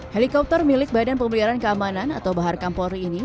helikopter milik badan pemeliharaan keamanan atau bahar kampori ini